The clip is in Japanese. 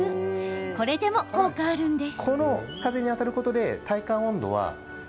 これでも効果あるんです。